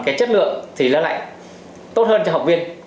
cái chất lượng thì nó lại tốt hơn cho học viên